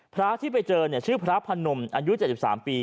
พระที่ไปเจอชื่อพระพาณมอายุเจ็บสิบสามปี